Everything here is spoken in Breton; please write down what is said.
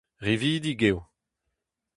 Rividik eo.